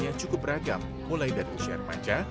belum termasuk puluhan porsi mie tepung